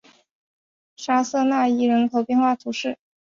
沙瑟讷伊人口变化图示